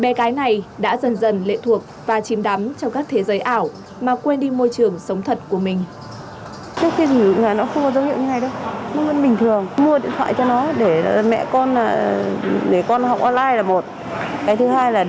bé gái này đã dần dần lệ thuộc và chìm đắm trong các thế giới ảo mà quên đi môi trường sống thật của mình